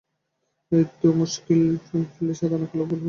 এই তো মুশকিলে ফেললি, সাদা না কালো খেয়াল নেই।